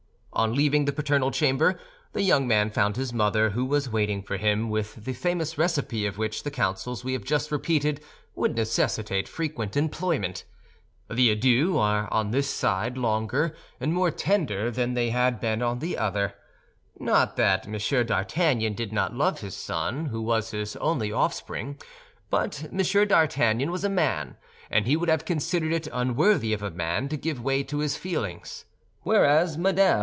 On leaving the paternal chamber, the young man found his mother, who was waiting for him with the famous recipe of which the counsels we have just repeated would necessitate frequent employment. The adieux were on this side longer and more tender than they had been on the other—not that M. d'Artagnan did not love his son, who was his only offspring, but M. d'Artagnan was a man, and he would have considered it unworthy of a man to give way to his feelings; whereas Mme.